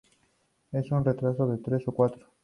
Es un retrato de tres cuartos.